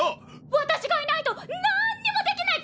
私がいないとなんにもできないくせに！